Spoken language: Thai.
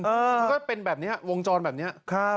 มันก็เป็นแบบนี้วงจรแบบนี้